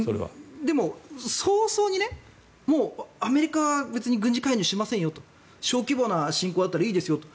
でも、早々にもうアメリカは別に軍事介入はしませんよと小規模な侵攻だったらいいですよと。